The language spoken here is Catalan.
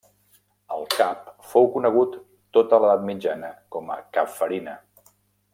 El cap fou conegut tota l'edat mitjana com a Cap Farina.